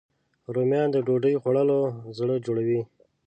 رومیان د ډوډۍ خوړلو زړه جوړوي